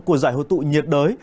của giải hội tụ nhiệt đới